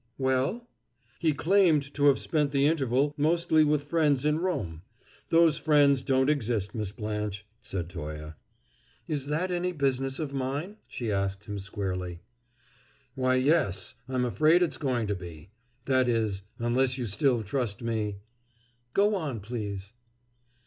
"Well?" "He claimed to have spent the interval mostly with friends in Rome. Those friends don't exist, Miss Blanche," said Toye. "Is that any business of mine?" she asked him squarely. "Why, yes, I'm afraid it's going to be. That is, unless you'll still trust me " "Go on, please."